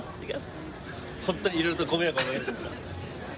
本当にいろいろとご迷惑をおかけしました。